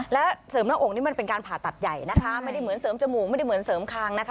แล้วเสริมหน้าอกนี่มันเป็นการผ่าตัดใหญ่นะคะไม่ได้เหมือนเสริมจมูกไม่ได้เหมือนเสริมคางนะคะ